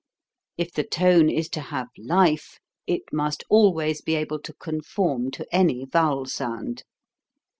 If the tone is to have life, it must always be able to con form to any vowel sound.